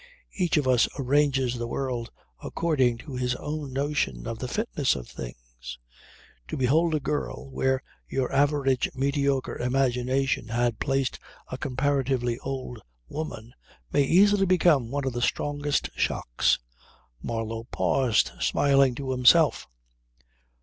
Each of us arranges the world according to his own notion of the fitness of things. To behold a girl where your average mediocre imagination had placed a comparatively old woman may easily become one of the strongest shocks ..." Marlow paused, smiling to himself.